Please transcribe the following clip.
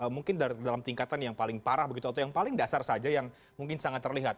mungkin dalam tingkatan yang paling parah begitu atau yang paling dasar saja yang mungkin sangat terlihat